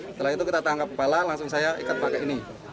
setelah itu kita tangkap kepala langsung saya ikat pakai ini